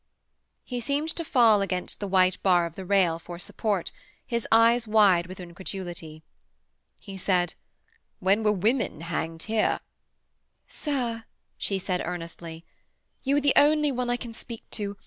He seemed to fall against the white bar of the rail for support, his eyes wide with incredulity. He said: 'When were women hanged here?' 'Sir,' she said earnestly, 'you are the only one I can speak to.